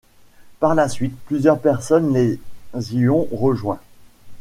Par la suite, plusieurs personnes les y ont rejoints.